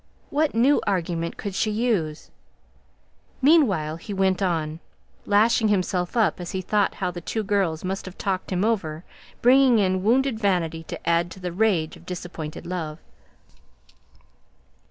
What new argument could she use? Meanwhile he went on, lashing himself up as he thought how the two girls must have talked him over, bringing in wounded vanity to add to the rage of disappointed love.